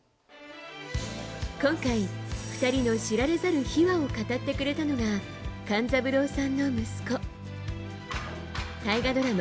今回、２人の知られざる秘話を語ってくれたのが勘三郎さんの息子大河ドラマ